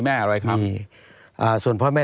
ตั้งแต่ปี๒๕๓๙๒๕๔๘